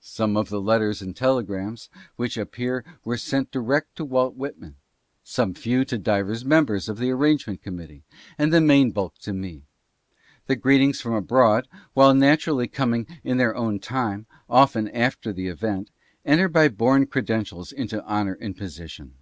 Some of the letters and telegrams which ap pear were sent direct to Walt Whitman, some few to divers mem bers of the arrangement committee, and the main bulk to me. The greetings from abroad, while naturally coming in their own time, often after the event, enter by born, credentials into honor and position.